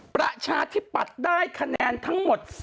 ประชาธิปัตย์ได้คะแนนทั้งหมด